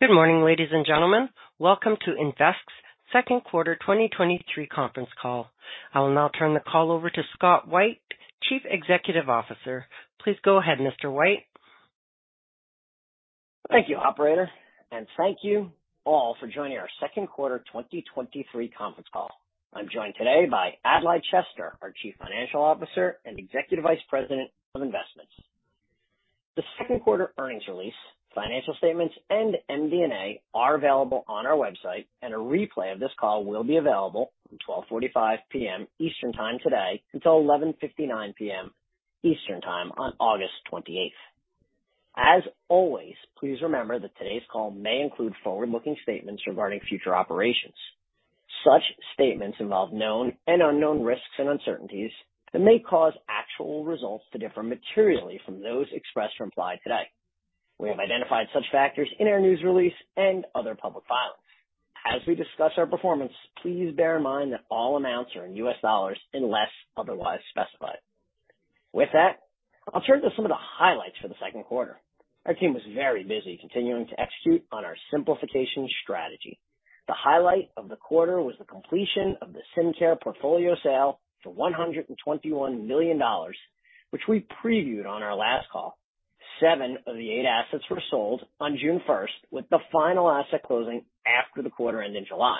Good morning, ladies and gentlemen. Welcome to Invesque's second quarter 2023 conference call. I will now turn the call over to Scott White, Chief Executive Officer. Please go ahead, Mr. White. Thank you, operator, thank you all for joining our second quarter 2023 conference call. I'm joined today by Adlai Chester, our Chief Financial Officer and Executive Vice President of Investments. The second quarter earnings release, financial statements, and MD&A are available on our website, and a replay of this call will be available from 12:45 P.M. Eastern Time today until 11:59 P.M. Eastern Time on August 28th. As always, please remember that today's call may include forward-looking statements regarding future operations. Such statements involve known and unknown risks and uncertainties that may cause actual results to differ materially from those expressed or implied today. We have identified such factors in our news release and other public filings. As we discuss our performance, please bear in mind that all amounts are in US dollars unless otherwise specified. With that, I'll turn to some of the highlights for the second quarter. Our team was very busy continuing to execute on our simplification strategy. The highlight of the quarter was the completion of the SymCare portfolio sale for $121 million, which we previewed on our last call. Seven of the eight assets were sold on June first, with the final asset closing after the quarter end in July.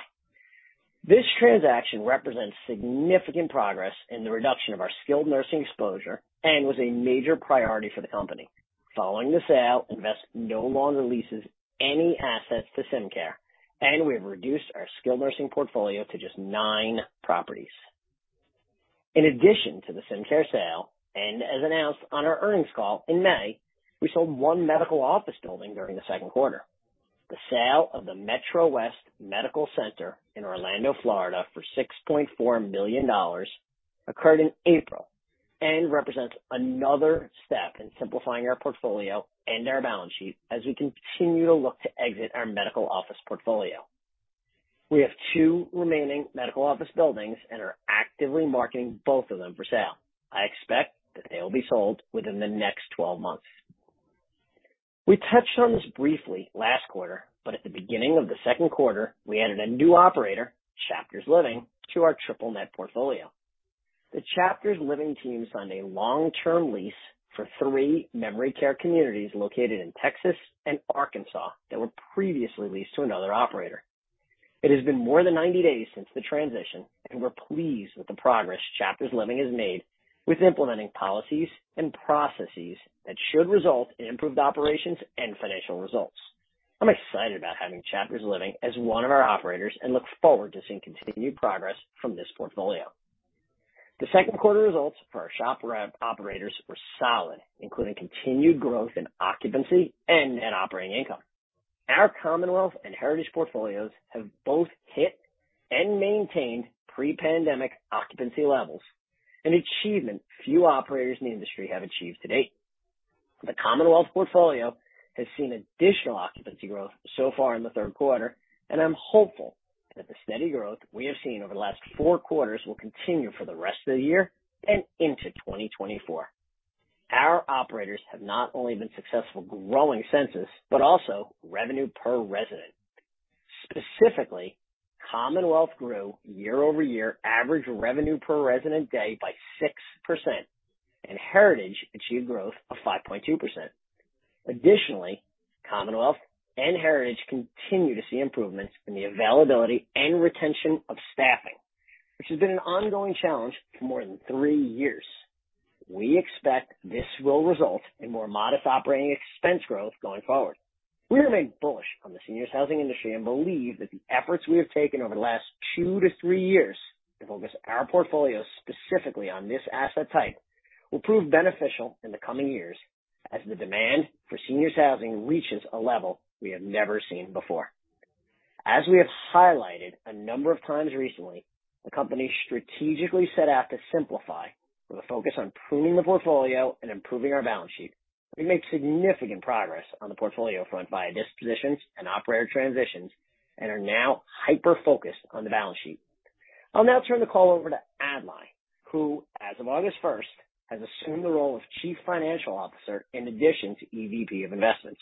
This transaction represents significant progress in the reduction of our skilled nursing exposure and was a major priority for the company. Following the sale, Invesque no longer leases any assets to SymCare, and we have reduced our skilled nursing portfolio to just nine properties. In addition to the SymCare sale, and as announced on our earnings call in May, we sold one medical office building during the second quarter. The sale of the MetroWest Medical Center in Orlando, Florida, for $6.4 million occurred in April and represents another step in simplifying our portfolio and our balance sheet as we continue to look to exit our medical office portfolio. We have two remaining medical office buildings and are actively marketing both of them for sale. I expect that they will be sold within the next 12 months. We touched on this briefly last quarter, but at the beginning of the second quarter, we added a new operator, Chapters Living, to our triple net portfolio. The Chapters Living team signed a long-term lease for three memory care communities located in Texas and Arkansas that were previously leased to another operator. It has been more than 90 days since the transition, and we're pleased with the progress Chapters Living has made with implementing policies and processes that should result in improved operations and financial results. I'm excited about having Chapters Living as one of our operators and look forward to seeing continued progress from this portfolio. The second quarter results for our SHOP portfolio operators were solid, including continued growth in occupancy and net operating income. Our Commonwealth and Heritage portfolios have both hit and maintained pre-pandemic occupancy levels, an achievement few operators in the industry have achieved to date. The Commonwealth portfolio has seen additional occupancy growth so far in the third quarter, and I'm hopeful that the steady growth we have seen over the last 4 quarters will continue for the rest of the year and into 2024. Our operators have not only been successful growing census, but also revenue per resident. Specifically, Commonwealth grew year-over-year average revenue per resident day by 6%, and Heritage achieved growth of 5.2%. Additionally, Commonwealth and Heritage continue to see improvements in the availability and retention of staffing, which has been an ongoing challenge for more than 3 years. We expect this will result in more modest operating expense growth going forward. We remain bullish on the seniors housing industry and believe that the efforts we have taken over the last 2 to 3 years to focus our portfolio specifically on this asset type, will prove beneficial in the coming years as the demand for seniors housing reaches a level we have never seen before. As we have highlighted a number of times recently, the company strategically set out to simplify, with a focus on pruning the portfolio and improving our balance sheet. We made significant progress on the portfolio front via dispositions and operator transitions and are now hyper-focused on the balance sheet. I'll now turn the call over to Adlai, who, as of August 1st, has assumed the role of Chief Financial Officer in addition to EVP of Investments.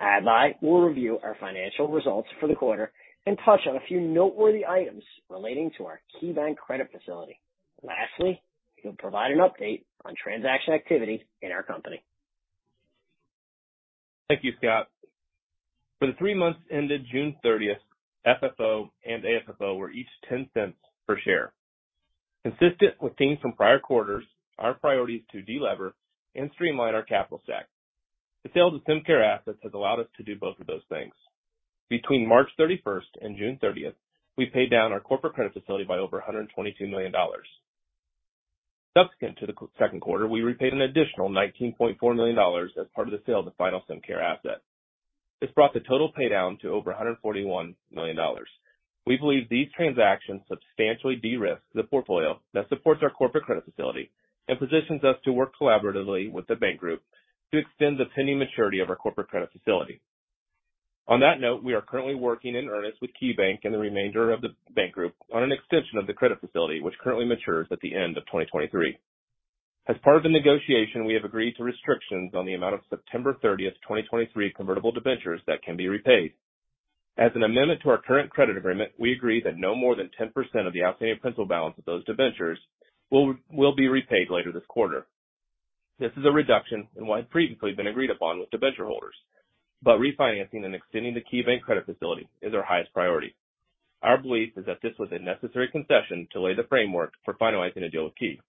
Adlai will review our financial results for the quarter and touch on a few noteworthy items relating to our KeyBank credit facility. Lastly, he'll provide an update on transaction activity in our company. Thank you, Scott. For the three months ended June 30th, FFO and AFFO were each $0.10 per share. Consistent with themes from prior quarters, our priority is to delever and streamline our capital stack. The sale to SymCare assets has allowed us to do both of those things. Between March 31st and June 30th, we paid down our corporate credit facility by over $122 million. Subsequent to the second quarter, we repaid an additional $19.4 million as part of the sale of the final SymCare asset. This brought the total paydown to over $141 million. We believe these transactions substantially de-risk the portfolio that supports our corporate credit facility and positions us to work collaboratively with the bank group to extend the pending maturity of our corporate credit facility. On that note, we are currently working in earnest with KeyBank and the remainder of the bank group on an extension of the credit facility, which currently matures at the end of 2023. As part of the negotiation, we have agreed to restrictions on the amount of September 30th, 2023 convertible debentures that can be repaid. As an amendment to our current credit agreement, we agree that no more than 10% of the outstanding principal balance of those debentures will be repaid later this quarter. This is a reduction in what had previously been agreed upon with debenture holders, refinancing and extending the KeyBank credit facility is our highest priority. Our belief is that this was a necessary concession to lay the framework for finalizing a deal with KeyBank.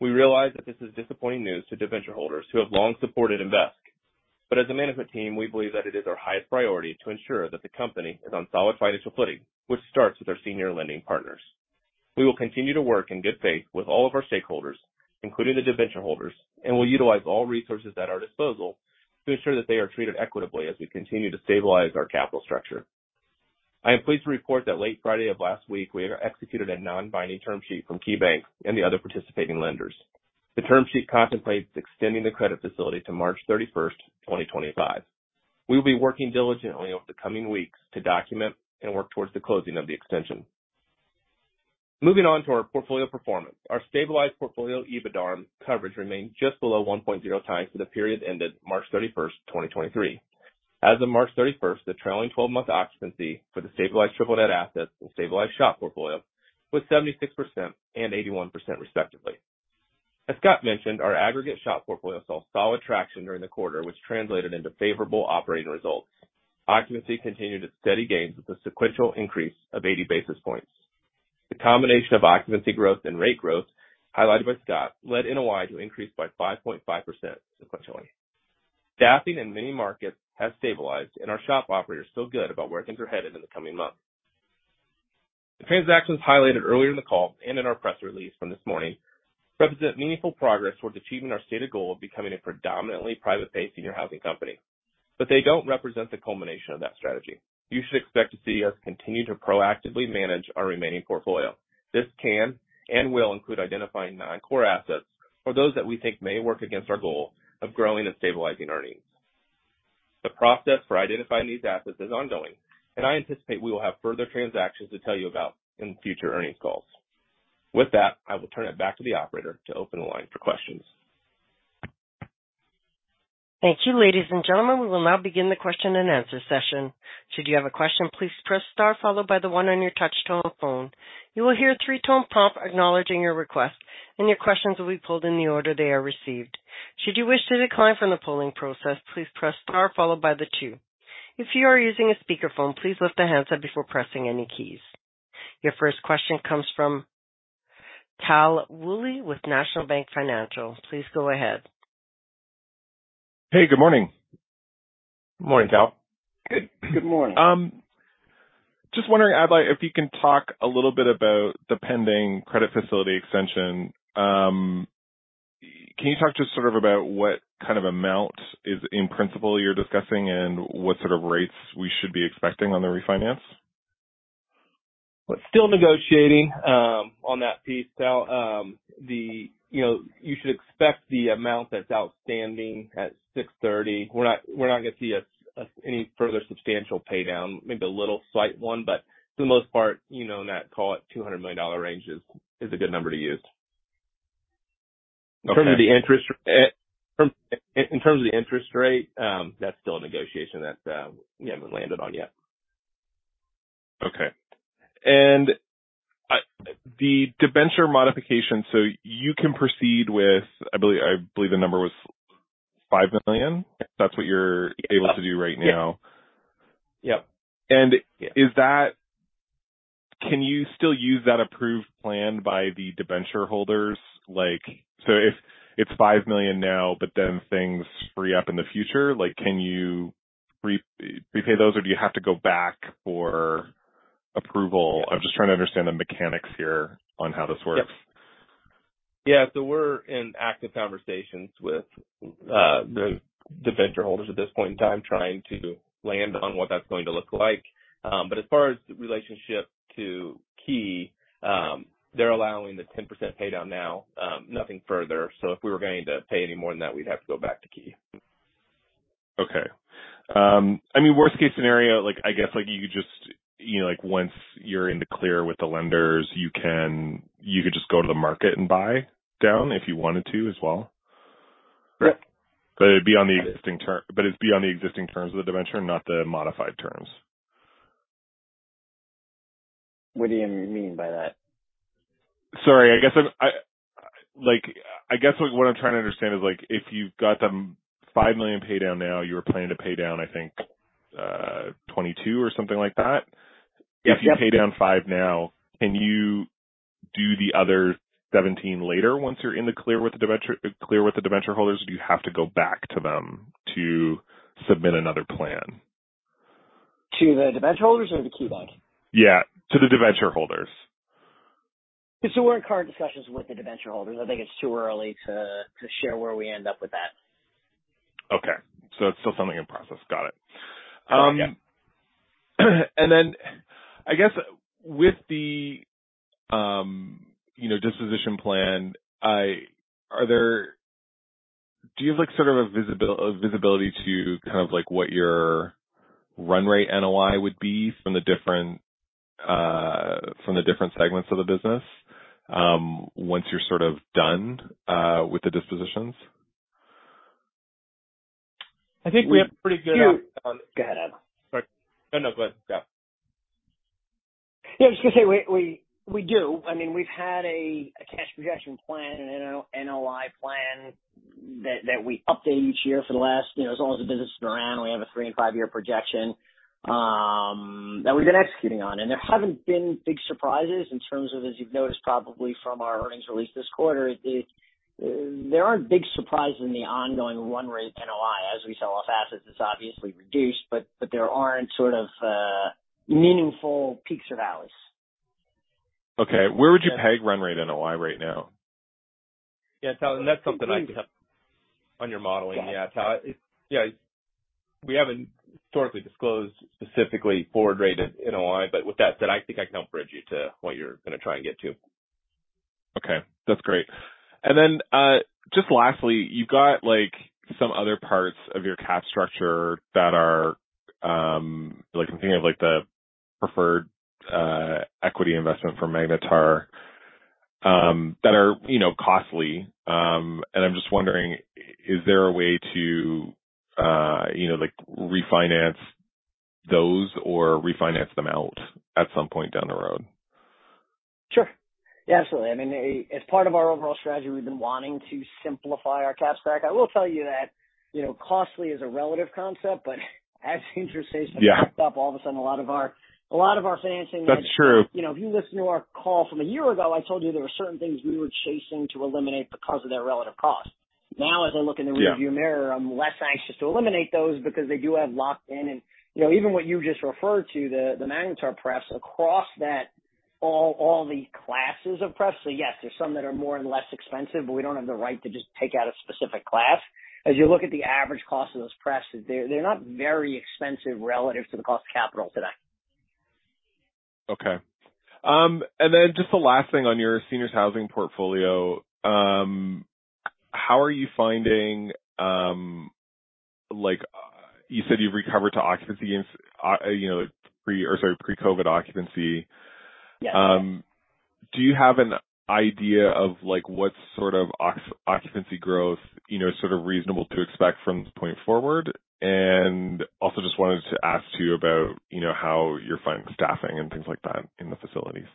We realize that this is disappointing news to debenture holders who have long supported Invesque, but as a management team, we believe that it is our highest priority to ensure that the company is on solid financial footing, which starts with our senior lending partners. We will continue to work in good faith with all of our stakeholders, including the debenture holders, and we'll utilize all resources at our disposal to ensure that they are treated equitably as we continue to stabilize our capital structure. I am pleased to report that late Friday of last week, we had executed a non-binding term sheet from KeyBank and the other participating lenders. The term sheet contemplates extending the credit facility to March 31st, 2025. We will be working diligently over the coming weeks to document and work towards the closing of the extension. Moving on to our portfolio performance. Our stabilized portfolio, EBITDA coverage remained just below 1.0 times for the period ended March 31, 2023. As of March 31, the trailing twelve-month occupancy for the stabilized triple net assets and stabilized SHOP portfolio was 76% and 81% respectively. As Scott mentioned, our aggregate SHOP portfolio saw solid traction during the quarter, which translated into favorable operating results. Occupancy continued its steady gains with a sequential increase of 80 basis points. The combination of occupancy growth and rate growth, highlighted by Scott, led NOI to increase by 5.5% sequentially. Staffing in many markets has stabilized, and our SHOP operators feel good about where things are headed in the coming months. The transactions highlighted earlier in the call and in our press release from this morning represent meaningful progress towards achieving our stated goal of becoming a predominantly private-pay senior housing company. They don't represent the culmination of that strategy. You should expect to see us continue to proactively manage our remaining portfolio. This can and will include identifying non-core assets or those that we think may work against our goal of growing and stabilizing earnings. The process for identifying these assets is ongoing. I anticipate we will have further transactions to tell you about in future earnings calls. With that, I will turn it back to the operator to open the line for questions. Thank you, ladies and gentlemen. We will now begin the question-and-answer session. Should you have a question, please press star followed by the 1 on your touch tone phone. You will hear a 3-tone prompt acknowledging your request, and your questions will be pulled in the order they are received. Should you wish to decline from the polling process, please press star followed by the 2. If you are using a speakerphone, please lift the handset before pressing any keys. Your first question comes from Tal Woolley with National Bank Financial. Please go ahead. Hey, good morning. Morning, Tal. Good morning. Just wondering, I'd like if you can talk a little bit about the pending corporate credit facility extension? Can you talk to sort of about what kind of amount is in principle you're discussing and what sort of rates we should be expecting on the refinance? Still negotiating on that piece, Tal. You know, you should expect the amount that's outstanding at 6/30. We're not, we're not going to see any further substantial pay down, maybe a little slight one, but for the most part, you know, in that, call it $200 million range is a good number to use. Okay. In terms of the interest rate, that's still a negotiation that we haven't landed on yet. Okay. The debenture modification, so you can proceed with, I believe, I believe the number was $5 million. That's what you're able to do right now? Yep. Can you still use that approved plan by the debenture holders? Like, so if it's $5 million now, but then things free up in the future, like, can you re-repay those, or do you have to go back for approval? I'm just trying to understand the mechanics here on how this works. Yeah. We're in active conversations with the debenture holders at this point in time, trying to land on what that's going to look like. But as far as the relationship to Key, they're allowing the 10% pay down now, nothing further. If we were going to pay any more than that, we'd have to go back to Key. Okay. I mean, worst case scenario, like, I guess, like, you just, you know, like once you're in the clear with the lenders, you could just go to the market and buy down if you wanted to as well. Correct. it'd be on the existing terms of the debenture, not the modified terms. What do you mean by that? Sorry. like, I guess what I'm trying to understand is, like, if you've got the $5 million pay down now, you were planning to pay down, I think, 22 or something like that. Yes. If you pay down $5 now, can you do the other $17 later once you're in the clear with the debenture, clear with the debenture holders? Do you have to go back to them to submit another plan? To the debenture holders or the KeyBank? Yeah, to the debenture holders. We're in current discussions with the debenture holders. I think it's too early to share where we end up with that. Okay. It's still something in process. Got it. Yeah. I guess with the, you know, disposition plan, do you have like sort of a visibility to kind of like what your run rate NOI would be from the different, from the different segments of the business, once you're sort of done with the dispositions? I think we have a pretty good- Go ahead. Sorry. No, no, go ahead. Yeah. Yeah, I was just going to say, we, we, we do. I mean, we've had a, a cash projection plan and an NOI plan that, that we update each year for the last... You know, as long as the business has been around, we have a 3- and 5-year projection that we've been executing on. There haven't been big surprises in terms of, as you've noticed, probably from our earnings release this quarter, the, there aren't big surprises in the ongoing run rate NOI. As we sell off assets, it's obviously reduced, but, but there aren't sort of meaningful peaks or valleys. Okay. Where would you peg run rate NOI right now? Yeah. That's something I can help on your modeling. Yeah, Tol. Yeah. We haven't historically disclosed specifically forward rate at NOI, but with that said, I think I can help bridge you to what you're going to try and get to. Okay, that's great. Just lastly, you've got like some other parts of your cap structure that are, like, I'm thinking of like the preferred equity investment from Magnetar, that are, you know, costly. I'm just wondering, is there a way to, you know, like, refinance those or refinance them out at some point down the road? Sure. Yeah, absolutely. I mean, as part of our overall strategy, we've been wanting to simplify our cap stack. I will tell you that, you know, costly is a relative concept, but as interest rates- Yeah. Have gone up, all of a sudden, a lot of our, a lot of our financing. That's true. You know, if you listen to our call from a year ago, I told you there were certain things we were chasing to eliminate because of their relative cost. Now, as I look in the- Yeah rearview mirror, I'm less anxious to eliminate those because they do have locked in. You know, even what you just referred to, the Magnetar PREPs, across that, all the classes of PREPs, yes, there's some that are more and less expensive, but we don't have the right to just take out a specific class. As you look at the average cost of those PREPs, they're not very expensive relative to the cost of capital today. Okay. Just the last thing on your seniors housing portfolio. How are you finding... Like, you said, you've recovered to occupancy in, you know, pre-or sorry, pre-COVID occupancy? Yes. Do you have an idea of, like, what sort of occupancy growth, you know, is sort of reasonable to expect from this point forward? Also just wanted to ask, too, about, you know, how you're finding staffing and things like that in the facilities?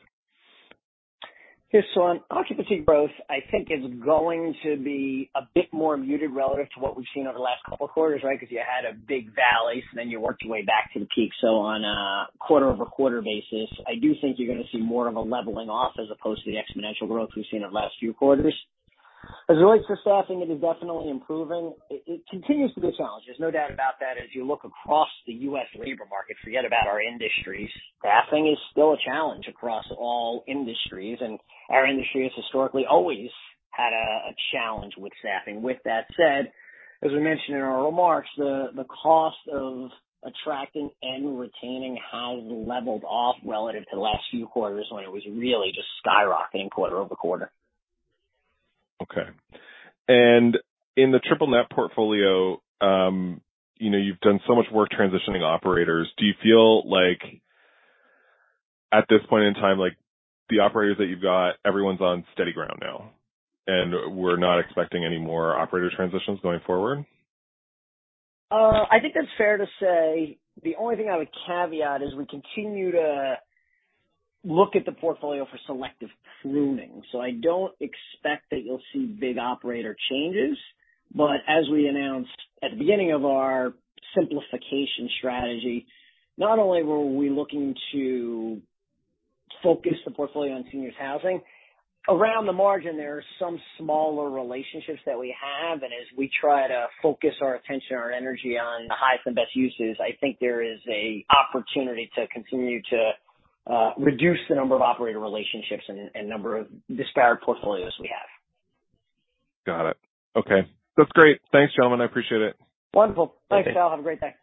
Yeah. On occupancy growth, I think is going to be a bit more muted relative to what we've seen over the last couple of quarters, right? Because you had a big valley, so then you worked your way back to the peak. On a quarter-over-quarter basis, I do think you're going to see more of a leveling off as opposed to the exponential growth we've seen in the last few quarters. As it relates to staffing, it is definitely improving. It continues to be a challenge, there's no doubt about that. As you look across the U.S. labor market, forget about our industries, staffing is still a challenge across all industries, and our industry has historically always had a challenge with staffing. With that said, as we mentioned in our remarks, the cost of attracting and retaining has leveled off relative to the last few quarters when it was really just skyrocketing quarter-over-quarter. Okay. And in the triple-net portfolio, you know, you've done so much work transitioning operators. Do you feel like at this point in time, like the operators that you've got, everyone's on steady ground now, and we're not expecting any more operator transitions going forward? I think that's fair to say. The only thing I would caveat is we continue to look at the portfolio for selective pruning. I don't expect that you'll see big operator changes. As we announced at the beginning of our simplification strategy, not only were we looking to focus the portfolio on seniors housing, around the margin, there are some smaller relationships that we have, and as we try to focus our attention, our energy on the highest and best uses, I think there is a opportunity to continue to reduce the number of operator relationships and number of disparate portfolios we have. Got it. Okay, that's great. Thanks, gentlemen. I appreciate it. Wonderful. Thanks, y'all. Have a great day.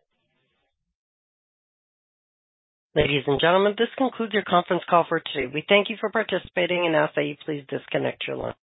Ladies and gentlemen, this concludes your conference call for today. We thank you for participating and ask that you please disconnect your line.